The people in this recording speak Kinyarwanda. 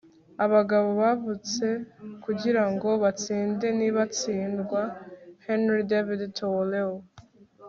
abagabo bavutse kugira ngo batsinde, ntibatsindwa. - henry david thoreau